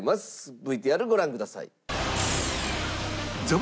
ＶＴＲご覧ください。